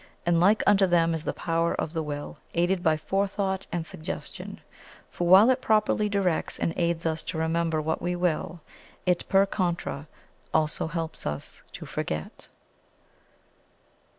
And like unto them is the power of the Will, aided by Forethought and Suggestion, for while it properly directs and aids us to remember what we will, it per contra also helps us to forget.